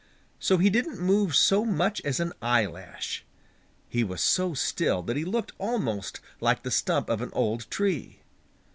So he didn't move so much as an eye lash. He was so still that he looked almost like the stump of an old tree.